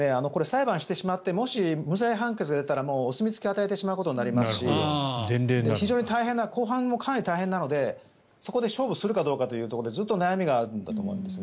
裁判してしまってもし無罪判決が出たらお墨付きを与えることになりますし非常に大変な公判もかなり大変なのでそこで勝負するかどうかというところでずっと悩みがあるんだと思います。